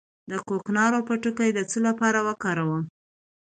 د کوکنارو پوټکی د څه لپاره وکاروم؟